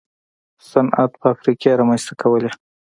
صنعت فابریکې رامنځته کولې.